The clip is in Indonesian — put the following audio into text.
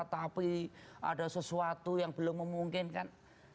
tapi ada sesuatu yang belum memungkinkan